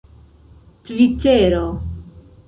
tvitero